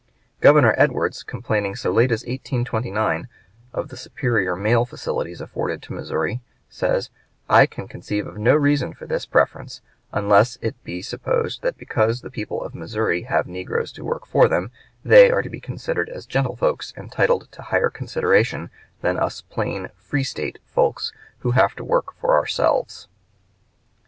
Governor Edwards, complaining so late as 1829 of the superior mail facilities afforded to Missouri, says: "I can conceive of no reason for this preference, unless it be supposed that because the people of Missouri have negroes to work for them they are to be considered as gentlefolks entitled to higher consideration than us plain 'free State' folks who have to work for ourselves."